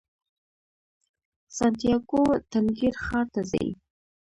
سانتیاګو تنګیر ښار ته ځي.